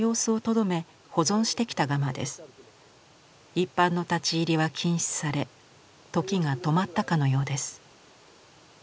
一般の立ち入りは禁止され時が止まったかのようです。